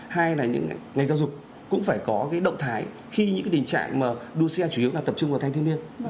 hai là những ngày giáo dục cũng phải có cái động thái khi những cái tình trạng mà đua xe chủ yếu là tập trung vào thanh thiên niên